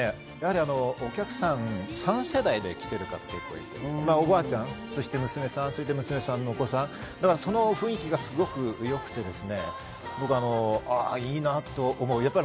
お客さん３世代で来ている方も結構いて、おばあちゃん、そして娘さん、娘さんのお子さん、その雰囲気がすごく良くて、僕、いいなと思いました。